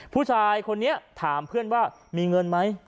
ผู้ชายคนนี้ถามเพื่อนว่ามีเงินไหม